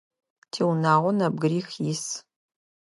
Тиунагъо нэбгырих ис.